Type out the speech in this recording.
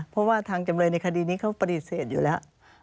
เพราะว่าทางจำเลยในคดีนี้เขาปฏิเสธอยู่แล้ว